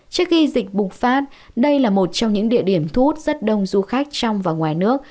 trước khi dịch bùng phát đây là một trong những địa điểm thu hút rất đông du khách trong và ngoài nước